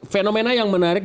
fenomena yang menarik